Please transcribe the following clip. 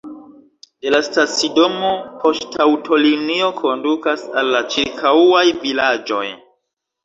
De la stacidomo poŝtaŭtolinio kondukas al la ĉirkaŭaj vilaĝoj.